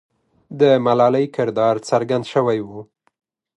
د ملالۍ کردار څرګند سوی وو.